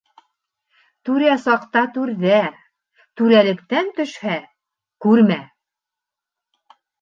Түрә саҡта түрҙә, түрәлектән төшһә, күрмә.